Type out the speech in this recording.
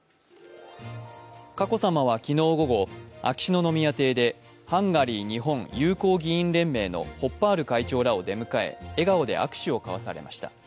佳子さまは昨日午後、秋篠宮邸でハンガリー日本友好議員連盟のホッパール会長らを出迎え笑顔で握手を交わされました。